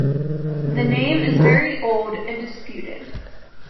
The name is very old and disputed.